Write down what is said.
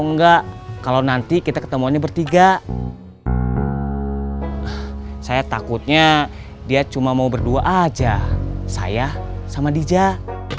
nggak kalau nanti kita ketemu anya bertiga saya takutnya dia cuma mau berdua aja saya sama dijak